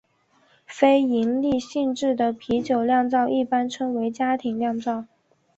非营利性质的啤酒酿造一般称为家庭酿造。